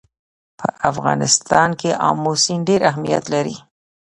په افغانستان کې آمو سیند ډېر اهمیت لري.